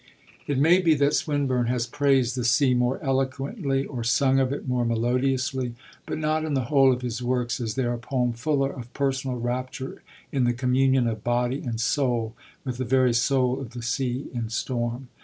It may be that Swinburne has praised the sea more eloquently, or sung of it more melodiously, but not in the whole of his works is there a poem fuller of personal rapture in the communion of body and soul with the very soul of the sea in storm.